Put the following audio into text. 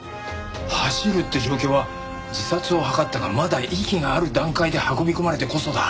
走るって状況は自殺を図ったがまだ息がある段階で運び込まれてこそだ。